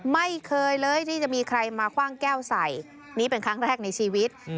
ไม่เคยเลยที่จะมีใครมาคว่างแก้วใส่นี่เป็นครั้งแรกในชีวิต